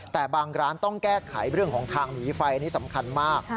แต่บางร้านต้องแก้ไขเรื่องของทางหนีไฟนี่สำคัญมาก